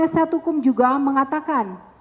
penasihat hukum juga mengatakan